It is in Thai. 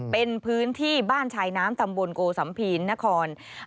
เป็นพื้นที่บ้านชายน้ำตำบลโกสัมภีนคร